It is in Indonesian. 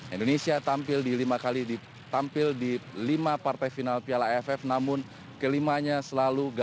indonesia tampil di lima kali tampil di lima partai final piala aff namun kelimanya selalu gagal